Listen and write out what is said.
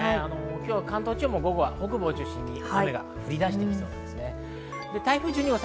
今日は関東地方は北部を中心に雨が降り出してきそうです。